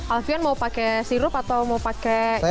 alfion mau pake sirup atau mau pake gula aja